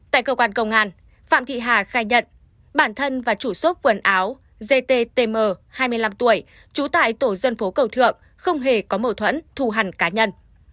tại cơ quan công an phạm thị hà khai nhận bản thân và chủ xốp quần áo d t t m hai mươi năm tuổi trú tại tổ dân phố cầu thượng không hề có mâu thuẫn thù hành cá nhân